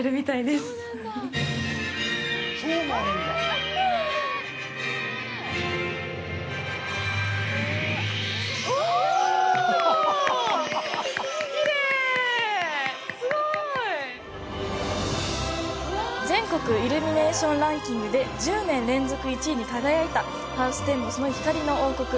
すごい！全国イルミネーションランキングで１０年連続１位に輝いたハウステンボスの光の王国。